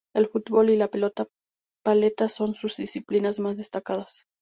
El fútbol y la pelota paleta son sus disciplinas más destacadas.